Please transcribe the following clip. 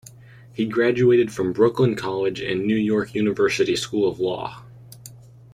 He graduated from Brooklyn College and New York University School of Law.